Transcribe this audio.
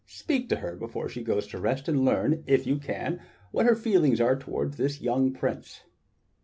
Speak to her before she goes to rest, and learn, if you can, what her feelings are toward this young prince."